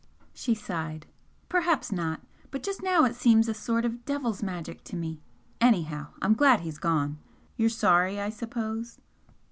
She sighed. "Perhaps not! But just now it seems a sort of devil's magic to me. Anyhow, I'm glad he's gone. You're sorry, I suppose?"